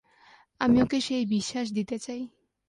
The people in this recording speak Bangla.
আমি ওকে সেই বিশ্বাস দিতে চাই!